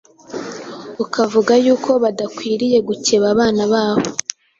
ukavuga yuko badakwiriye gukeba abana babo